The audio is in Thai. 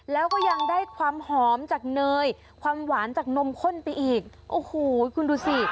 แล้วก็ยังได้ความหอมจากเนยความหวานจากนมข้นไปอีกโอ้โหคุณดูสิ